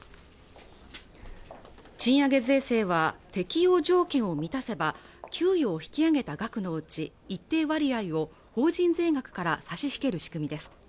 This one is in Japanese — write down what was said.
賃上げ税制は適用条件を満たせば給与を引き上げた額のうち一定割合を法人税額から差し引ける仕組みです